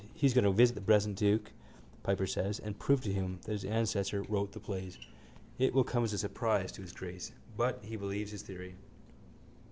He is going to visit the present duke, Piper says, and prove to him that his ancestor wrote the plays. It will come as a surprise to his grace. But he believes his theory.